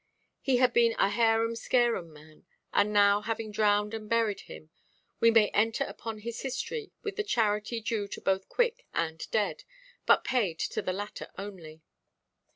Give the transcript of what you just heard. He had been a harum–scarum man; and now, having drowned and buried him, we may enter upon his history with the charity due to both quick and dead, but paid to the latter only.